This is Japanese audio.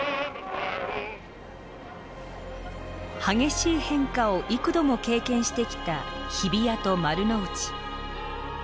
激しい変化を幾度も経験してきた日比谷と丸の内。